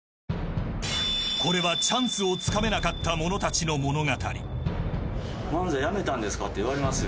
これは、チャンスをつかめなかった者たちの物語。